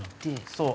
そう。